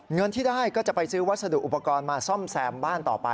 เงินที่ได้ก็จะไปซื้อวัสดุอุปกรณ์มาซ่อมแซมบ้านต่อไป